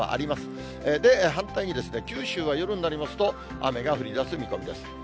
で、反対に、九州は夜になりますと、雨が降りだす見込みです。